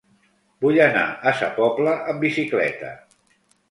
Vull anar a Sa Pobla amb bicicleta.